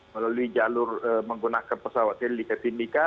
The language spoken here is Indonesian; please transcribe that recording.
melalui jalur menggunakan pesawat terdiri di kapimika